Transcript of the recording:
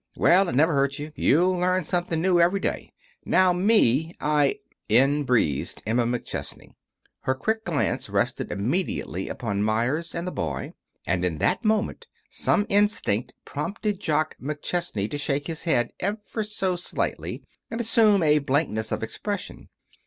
Well, it'll never hurt you. You'll learn something new every day. Now me, I " In breezed Emma McChesney. Her quick glance rested immediately upon Meyers and the boy. And in that moment some instinct prompted Jock McChesney to shake his head, ever so slightly, and assume a blankness of expression.